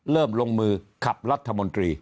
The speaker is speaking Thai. เริ่มลงมือขับรัฐมนตรี